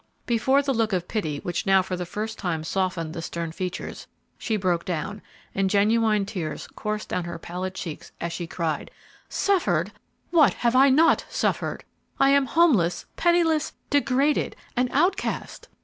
Before the look of pity which now for the first time softened the stern features, she broke down, and genuine tears coursed down her pallid cheeks as she cried, "Suffered! what have I not suffered! I am homeless, penniless, degraded, an outcast!